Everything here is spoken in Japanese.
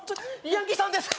ヤンキーさんです